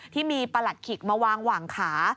ที่มีประหลัดขิกมาวางหว่างขา